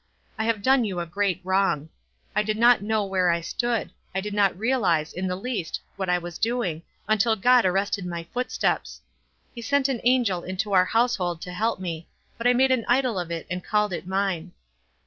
I have done you a great wrong. I did not know where I stood. I did not realize in the least what I w r as doing, until God arrested my footsteps. He sent an angel into our household to help me, but I made an idol of it and called it mine.